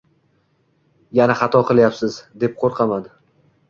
Yana xato qilyapsiz, deb qoʻrqaman.